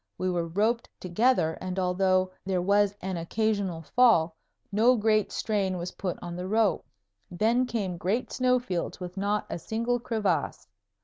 We were roped together, and although there was an occasional fall no great strain was put on the rope. Then came great snow fields with not a single crevasse.